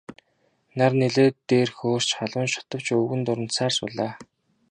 Нар нэлээд дээр хөөрч халуун шатавч өвгөн дурандсаар суулаа.